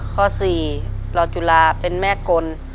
ข้อ๔รอจุฬาเป็นแม่กล